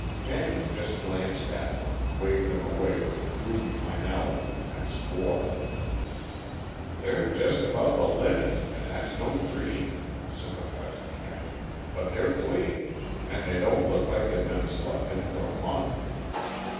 Manley just glanced at them, waved them away with gloomy finality, and swore. "They're just about the limit, and that's no dream," sympathized Kent, "but they're clean, and they don't look like they'd been slept in for a month.